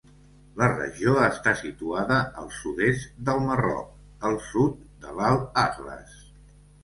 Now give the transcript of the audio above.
La regió està situada al sud-est del Marroc, al sud de l'Alt Atles.